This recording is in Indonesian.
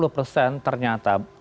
enam puluh persen ternyata berhubungan